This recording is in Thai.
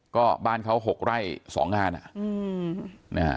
ก็บ้านเขา๖ไร่๒งาน